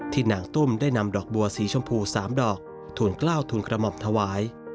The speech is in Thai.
นางตุ้มได้นำดอกบัวสีชมพู๓ดอกทูลกล้าวทุนกระหม่อมถวาย